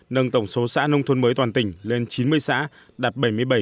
nâng tổng số xã nông thôn mới toàn tỉnh lên chín mươi xã đạt bảy mươi bảy